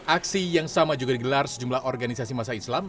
aksi yang sama juga digelar sejumlah organisasi masa islam